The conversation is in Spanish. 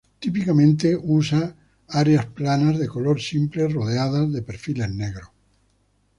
Típicamente, usa áreas planas de color simple rodeadas de perfiles negros.